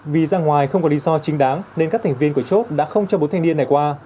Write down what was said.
vì ra ngoài không có lý do chính đáng nên các thành viên của chốt đã không cho bốn thanh niên này qua